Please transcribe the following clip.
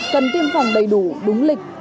cần tiêm phòng đầy đủ đúng lịch